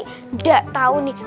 nggak tahu nih